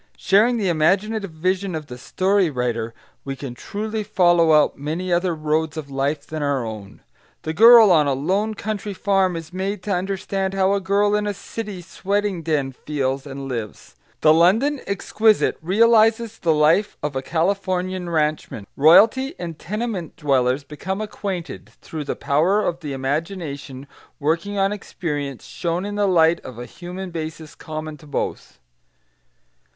Sharing the imaginative vision of the story writer, we can truly follow out many other roads of life than our own. The girl on a lone country farm is made to understand how a girl in a city sweating den feels and lives; the London exquisite realises the life of a Californian ranchman; royalty and tenement dwellers become acquainted, through the power of the imagination working on experience shown in the light of a human basis common to both.